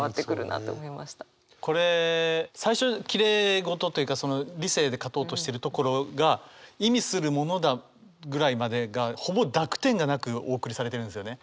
これ最初きれい事というか理性で勝とうとしてるところが「意味するものだ」ぐらいまでがほぼ濁点がなくお送りされてるんですよね。